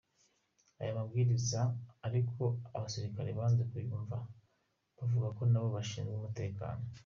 Aya mabwiriza ariko abasirikare banze kuyumva bavuga ko nabo bashinzwe umutekano.